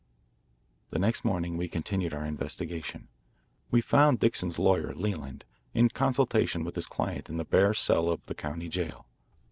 The next morning we continued our investigation. We found Dixon's lawyer, Leland, in consultation with his client in the bare cell of the county jail.